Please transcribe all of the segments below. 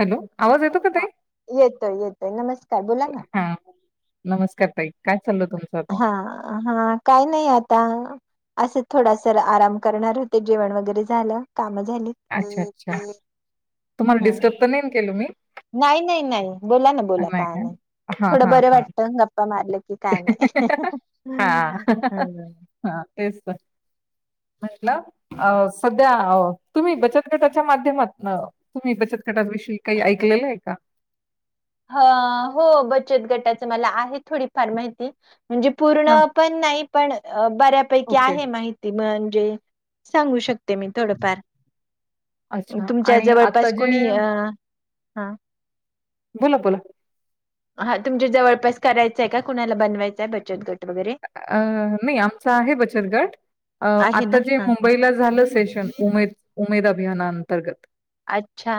Hello आवाज येतो का हा! ताई? येतोय येतोय नमस्कार बोला ना हा. नमस्कार ताई काय? चाललं तुमचं आता? हा हा काही नाही आत ता असच थोडासा आराम करणार होते जेवण वगैरे झालं काम अच्छा अच्छा तुम्हाला हम्म डिस्टर्ब तर नाही ना केलो मी नाही नाही नाही बोला ना बोला काय नाही हां, थोडं हां, बरं हां. वाटत गप्पा मारलं की हां. हां, काय नाही तेच म्हटलं अ सध्या अ तुम्ही बचत गटाच्या माध्यमातन तुम्ही बचत गटाविषयी काही ऐकलेलं आहे का अं हो बचत गटाच मला आहे थोडी फार माहिती म्हणजे पूर्ण हां, पण नाही पण बऱ्यापैकी ओके. आहे माहिती म्हण े सांगू शक ते मी हं. थोडंफार अच्छा तुमच्या आणि आता जवळपास जे कोणी ह बोला बोला. हा तुमच्या जवळपास करायचंय का कुणाला बनवायचंय बचत गट? वगैरे अ नई आमच आहे बचत गट, अ आहे आता ना जे हा मुंबईला झालं सेशन उमेद उमेदा अभियाना अंतर्गत अच्छा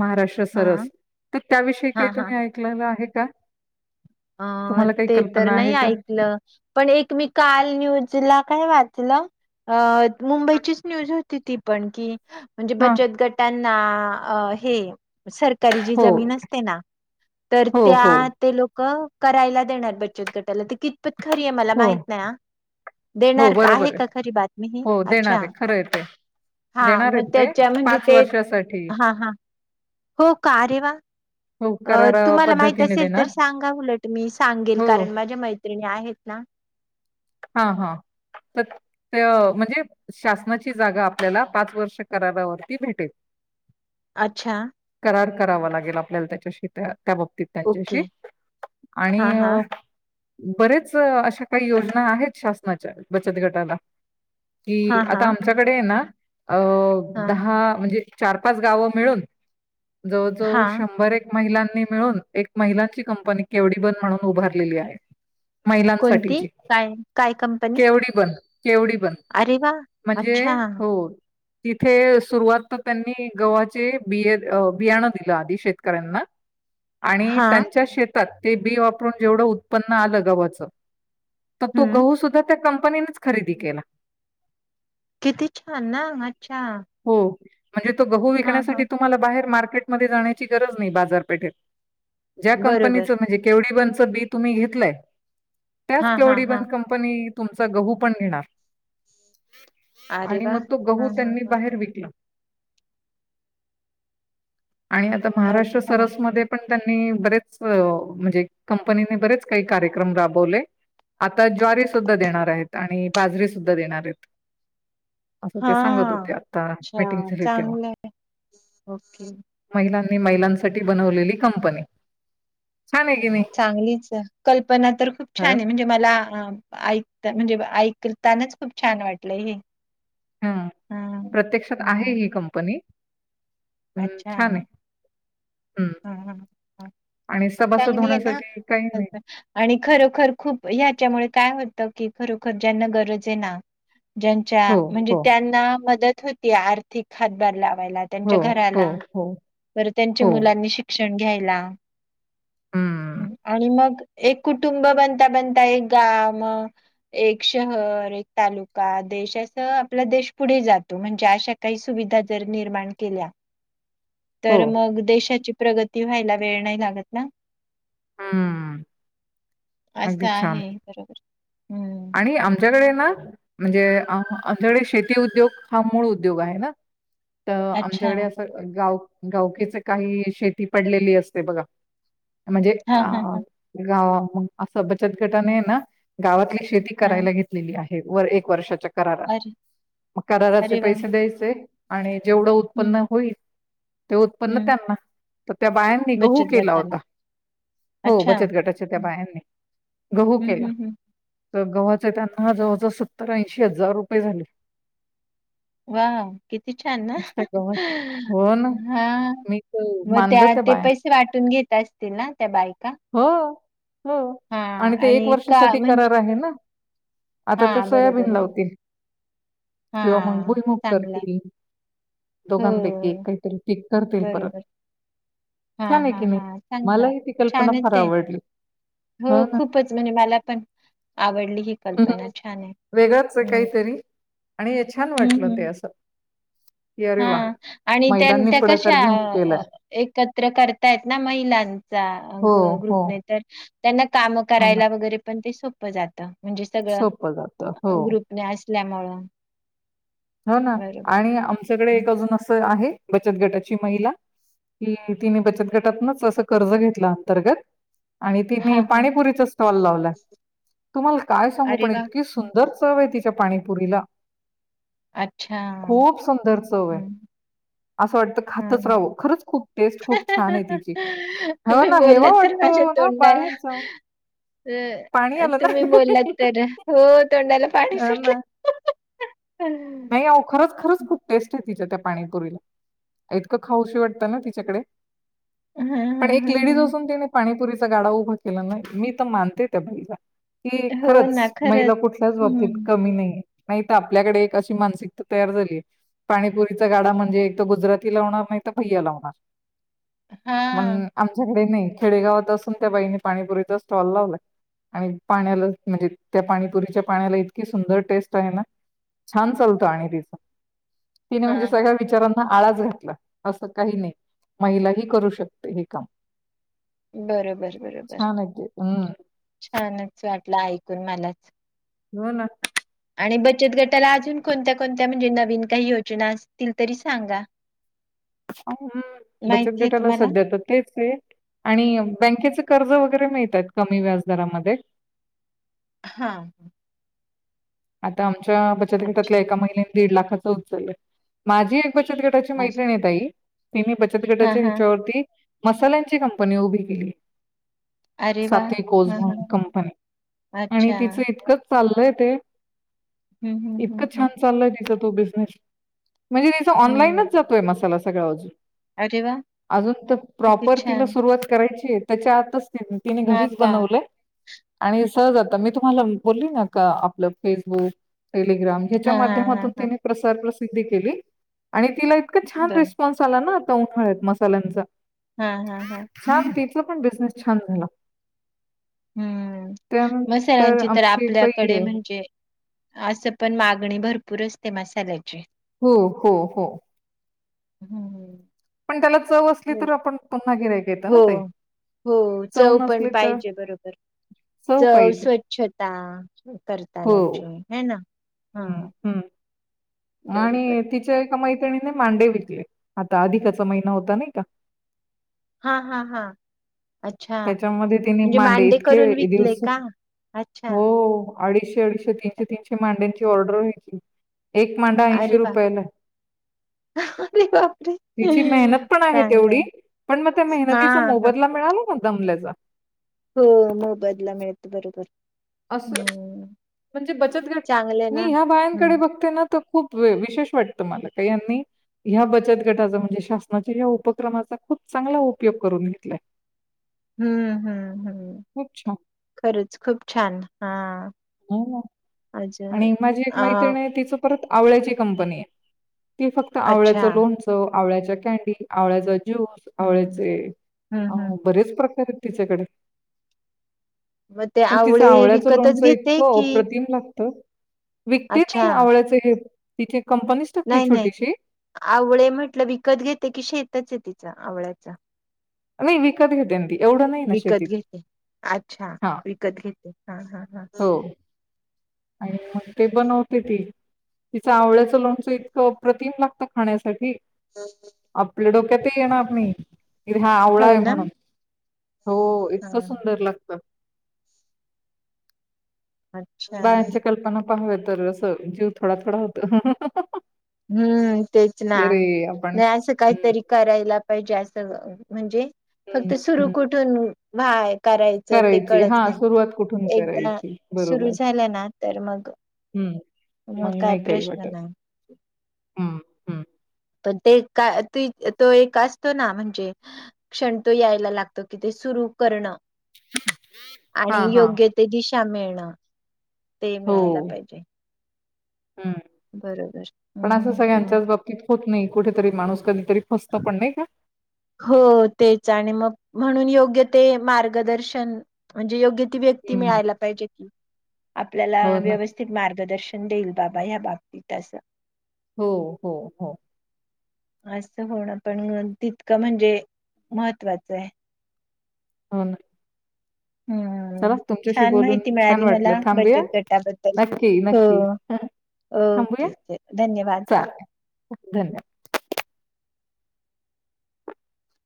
महाराष्ट्र हा सरस त त्याविषयी काही हा हा तुम्ही ऐकलेलं आहे. [unintelligible] अ तुम्हाला काही ते तर कल्पना नाही आहे का? ऐकलं पण एक मी काल न्यूज ला काय वाचलं अ मुंबईचीच न्यूज होती ती पण की म्हणजे हां. बचत गटान् ना अ हे सरकारी जी हो, जमीन असते ना, तर हो, हो, त्या ते लोक क करायला देणार बचत गटाला ते कि पत खरी आहे मला हो, माहित नाही हा, हो, देणार का बरोबर आहे का खरी बातमी ही? हो, देणार अच्छा! आहे. खरं आहे ते. हा देणार मग आहेत ते त्याच्या म्हणजे ते वर्षासाठी. हा हा हो का? अरे वा! हो, अ करारा तुम्हाला माहित पद्धतीने असेल देणार. तर सांगा उलट मी सांगेल हो. कारण माझ्या मैत्रिणी आहेत. ना हा हा तत त्य म्हणजे शासनाची जागा आपल्याला पाच वर्ष करारावरती भेटेल. अच्छा! करार करावा लागेल आपल्याला त्याच्याशी त्या त्या बाबतीत ओके. त्यांच्याशी आणि हां, हां. बरेच अशा काही योज ना आहेत शासनाच्या बचत गटाला कि हां, आता हां. आमच्याकडे ये ना अ हां. दहा म्हणजे चार पाच गावं मिळून जवळ जवळ हां. शंभर एक महिलांनी मिळून एक महिलाची कंपनी केवडी बन म्हणून उभारलेली आहे. कोणती? महिलांसाठीची काय काय कंपनी? [unintelligible] केवडी बण अरे वाह! म्हणजे अच्छा. हो तिथे सुरुवात तर त्यांनी गव्हाचे बिय अ बियाणं दिलं आधी शेतकऱ्यांना आणि हां. त्यांच्या शेत ते बी वापरून जेवढं उत्पन्न आलं गव्हाच तर तो हं. गहू सुद्धा कं कंपनीनेच खरेदी केला किती छान ना अच्छा हो. म्हणजे तो गहू हां, विकण्यासाठी हां. तुम्हाला बाहेर मारक मार्केटमध्ये जाण्याची गरज नाही बाजारपेठेत ज्या कंपनीच बरोबर. म्हणजे केवडिबन बी तुम्ही घेतलंय त्यास हां, हां, केवडी हां. बंण कंपनी तुमचा गहू पण घेणार अरे आणि वाह! मग तो गहू हां, हां, त्यांनी हां. बाहेर विकला आणि आता महाराष्ट्र अच्छा. सरसमध्ये पण त्यांनी बरेच म्हणजे कंपनीने बरेच काही कार्यक्रम राबवले आता ज्वारी सुुद्धा देणार आहेत आणि बाजरी सुुद्धा देणार आहेत असं ते हा सांगत होते आता अच्छा मीटिंग झाली तेव्हा. चांगलं आहे ओके महिलांनी महिलांसाठी बनवलेली कंपनी छान आहे की नाही? चांगलीचय कल्पना तर खूप हं. छान ए म्हणजे मला ह ऐकता म्हणजे ऐकतानाच खूप छान वाटलंय हे हम हां, प्रत्यक्षात आहे हां. ही कंपनी अ, अच्छा छान आहे. हं. ह आणि सभासद चांगली आहे ना होण्यासाठी काही नाही. आणि खरोखर खूप ह्याच्यामुळे काय होतं की खरोखर ज्यांना गरज आहे ना ज्यांच्या हो, म्हणजे हो, त्यांना मदत होती आर्थिक हात भार लाभ ह हो, हो, हो, हो. त्यामुळे शिक्षण घ्यायला ह हं. आणि मग एक कुटुंब बनता बनता एक गाव एक शहर एक तालुका देश असा आपला देश पुढे जातो म्हणजे अशा काही सुविधा जर निर्माण केल्या हो. तर मग देशाची प्रगती व्हायला वेळ नाही लागत ना हम्म असं अगदी छान आहे बरोबर. हम्म आणि आमच्याकडे ना म्हणजे आमच्या कडे शेती उद्योग हा मूळ उद्योग आहे ना तर अच्छा आमच्याकडे असं गाव गावकीचे काही शेती पडलेली असते बघा म्हणजे हा अ हा हा गाव असं बचत गटाने ना गावातली शेती हा करायला घेतलेली आहे वर एक वर्षाच्या करारा अरे मग कराराचे अरे वा पैसे द्यायचे आणि जेवढं हम्म उत्पन्न होईल ते उत्पन्न हम्म त्यांना तर त्या बायांनी गहू बचत केला होता गटाला हो अच्छा बचत गटाच्या त्या हम्म बायांनी गहू केला हम्म हम्म तर गव्हाचा त्यांना हा जवळजवळ सत्तर ऐंशी हजार रुपये झाले वा किती छान ना नुसत्या गव्हाचे हो ना हा मी तर मग त्या मानलं ते बायांना पैसे वाटून घेत असतील ना त्या बायका हम हा आणि ते एक का वर्षासाठी करार म्हणजे आहे ना आता ते हा बरोबर सोयाबीन लावतील हा किंवा मग बुईमूग चांगलाय करतील. दोघाण पैकी एक हो काय तर पिक करतील परत बरोबर हा छान आहे हा की मी हा मला चांगलाय हे ती कल्पना छानच फार आहे आवडली. हो खूपच म्हणजे मला पण आवडली ही कल्पना छान आहे वेगच आहे हम्म काहीतरी आणि हे छान हम्म वाटलं ते हम्म असं की अरे हा वा आणि त्या महिलांनी त्या पुढाकार कशा घेऊन केलाय. एकत्र करतायत ना महिलांचा हो, हो, ग्रुपने तर त्यांना काम हो ना. करायला वगैरे पण ते सो प जात म्हणजे सगळं सोपं जातं. हो. ग्रुपने आस ल्यामुळ हो ना आणि आमच्या इकडे एक अजून असं आहे बचत गटाची महिला कि तिने बचत गटातनच असं कर्ज घेतलं अंतर्गत आणि तिने हा हा पाणीपुरीचा स्टॉल लावलाय तुम्हाला काय सांगू अरे पण वा इतकी सुंदर चव आहे ति त्या पाणीपुरीला अच्छा खूप सुंदर चव आहे. असं वाटतं हा, खातच हा राहावं. खरंच खूप टेस्ट खूप छान आहे तिची. हो तुम्ही ना बोललात हेवा तर वाटतो माझ्या ना तोंडाला बायांचा. पाणी अ आलं ना. तुम्ही बोललात तर हो तोंडाला पाणी ह ना सुटलं. नाही आओ खरंच खरच खूप टेस्ट आहे तिच्या त्या पाणीपुरीला इतकं खाऊशी वाटतं ना तिच्याकडे हा हा पण एक हा लेडीज हा असून तीने पाणीपुरीच चा गाडा उभा केला नाही मी त मानते त्या बाईला. की हो ना खरंच महिला कुठल्याच बाबतीत हम्म कमी नाहीये. नाही तर आपल्याकडे कीवअशी मानसिकता तयार झाली आहे पाणीपुरीचा गाडा म्हणजे एक गुजराती लावणार नाही तर भैया लावणार. हा मण आमच्याकडे नाही खेडेगावात असून त्या बाईनी पाणीपुरीचा स्टॉल लावलाय आणि पाण्याला म्हणजे त्या पाणीपुरीच्या पाण्याला इतकी सुंदर टेस्ट आहे ना छान चालतो आणि तिस तिने हा म्हणे सगळ्या हा विचारांना आळाज घेत असं काही नाही महिलाही करू शकते हे काम बरोबर बरोबर छान आहे ते हम्म. छानच [unintelligible] वाटलं ऐकून मलाच हो ना आणि बचत गटाला अजून कोणत्या कोणत्या म्हणजे नवीन काही योजना असतील तरी सांगा बचत माहिती आहे गटाला तुम्हाला सध्या तर तेच आणि बँकेच [inaudible] कर् व क व्या हा ह आता आमच्या बचत गटातल्या अच्छा एका महि- दीड लाखाचा उचल आहे माझी बचत गटाची मैत अच्छा नताई मही बचत हा गटाच्या हा हिच्यावरती मसाल्यांची कंपनी उभी केली अरे [unintelligible] वा हा म्हणून हा कंपनी आणि अच्छा. तिचं इतक चाललंय ते. हं, हं, इतकं हं, छान हं. चाललंय तिचं तो बिझनेस म्हणजे तिचा ऑनलाईनच हं. जातोय मसाला. सगळ्यावाचून अरे वाह! अजून तर किती प्रॉपर तिला छान. सुरुवात करायची [unintelligible] आतच तिने हां घरीच का? बनवलंय आणि सहज आता. मी तुम्हाला बोलली ना का आपलं फेसबुक. टेलिग्राम ह्याच्या हां, हां, हां, माध्यमातून हां. तिने प्रसार प्रस सिद्दी केली आणि तिला इतका छान बरं. रिस्पॉन्स आला ना [unintelligible] आहेत मसाल्यांचा हम्म हम्म हम्म. ला पण बिझनेस छान झाला हम्म त्यानंतर मसाल्यांची तर आमची एक बाई आपल्याकडे आहे म्हणजे असं पण मागणी भरपूर असते मसाल्याची. हो हो हो. हम्म हम्म. मी त्याला चव असली तर आपण पुन्हा गिरायक येतं हो ना ताई. हो, चव पण नसली तर पाहिजे बरोबर चव, स्वच्छता. हो करतानाचे हे ना. हा. हम्म आणि तिच्या एका मैत्रिणी ने मांडे विकले, आता अधिकाचा महिना होता नाही का? हा हा हा. त्याच्यामध्ये तिने मांडे करून इतके विकले दिवस, का? अच्छा. हो. अडीशे अडीशे तीनशे अरे, तीनशे माड्यांचे ती ऑर्डर घ्यायची. एक मांडा ऐंशी अरे वाह! रुपयालाय. अरे बापरे! तिची मेहनत पण आहे तेवढी, चांगलंय. पण मग त्या मेहनतीचा हां, हां. मोबदला मिळाला ना. जमल्याचा हो मोबदला मिळतो बरोबर अस हं. म्हणजे बचतट चांगलं आहे मी ना. ह्या हं. बायांकडे बघते ना तो खूप वि विशेष वाटतं मला का यांनी ह्या बचत गटाचा म्हणजे शासनाच्या ह्या उपक्रमाचा खूप चांगला उपयोग करून घेतलाय हम्म हम्म हम्म खरंच खूप छान हां. ह ह अजून आणि माझी एक अ, मैत्रिण आहे तिच परत आवळ्याची कंपनी आहे ती फक्त अच्छा. आवळ्याचं लोनचं आवळ्याच्या कँडी आवळ्याचा ज्युस ज्यूस हं, आवळ्याचे हं, अ हं. बरेच प्रकारे त तिच्याकडे म ते आवड सावळ्याचं लोणचं इतकं अप्रतिम लागत विकते ती हे अच्छा. आवळ्याच हे तिथे नाही, नाही आवळे म्हटलं कि विकत घेते की शेतच य तिच आवळ्याच्या नाही विकत घेते ना ती. एवढं नाही ना विकत शेतीत घेते अच्छा हा विकत घेते हा हा हा अ ते बनवते ती तिचं आवळ्याचं लोणचं इतकं अप्रतिम लागतं खाण्यासाठी आपपलड कथे येण आपनी हा आवळा हो आहे ना? म्हणून हो इतकं हां. सुंदर लागतं अच्छा पाव तर असं जीव थोडा थोडा होत हम्म तेच ना आपण नाही असं हम्म, काहीतरी करायला पाहिजे असं म्हणजे हम्म, फक्त सुरू हम्म. कुठून भाय करायचं ते करायची हा कळत नाही सुरुवात कुठून एकदा करायची सुरू बरोबर. झाल्या ना तर मग हम्म. मग काय नाही काही प्रश्न वाटत. नाही हम्म हम्म. पण ते का त तो एक असतो ना म्हणजे, क्षण तो यायला लागतो, की ते सुरू करणं आणि हां, हां. योग्य ते दिश शा मिळणं ते मिळायला पाहिजे. हम्म, बरोबर पण असं हम्म हम्म. सगळ्यांच्याच बाबतीत होत नाही. कुठेतरी माणूस कधीतरी फसतो पण नाही का? हो तेच आणि मग म्हणून योग्य ते मार्गदर्शन म्हणजे योग्य ती व्यक्ती हम्म. मिळायला पाहिजे की, आपल्याला हो ना. व्यवस्थित मार्गदर्शन देईल बाबा याबाबतीत असं. हो हो हो. अच् असं होणं, पण तितकं म्हणजे महत्त्वाचं आहे. हो ना. हम्म चला तुमच्याशी छान बोलून माहिती छान मिळाली मला वाटलं थांबूया? बचत गटाबद्दल. नक्की, हो नक्की. थांबूया? ओके, धन्यवाद हा. चालेल. धन्यवाद.